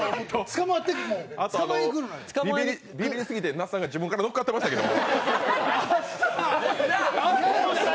ビビリすぎて那須さんが自分からのっかっていましたけど。